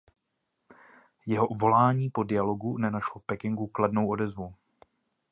Jeho volání po dialogu nenašlo v Pekingu kladnou odezvu.